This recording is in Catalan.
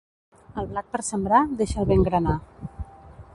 El blat per sembrar deixa'l ben granar.